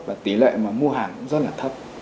và tỷ lệ mà mua hàng cũng rất là thấp